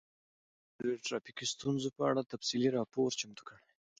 ازادي راډیو د ټرافیکي ستونزې په اړه تفصیلي راپور چمتو کړی.